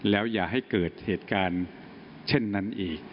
แล้วอย่าให้เกิดเหตุการณ์เช่นนั้นอีก